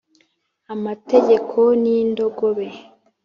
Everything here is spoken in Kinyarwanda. amategeko ni indogobe